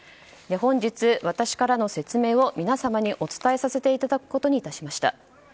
本日、私からの説明を皆様にお伝えさせていただくことにしました。